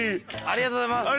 ありがとうございます。